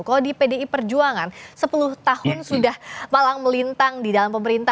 kalau di pdi perjuangan sepuluh tahun sudah malang melintang di dalam pemerintah